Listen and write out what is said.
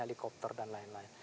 halikopter dan lain lain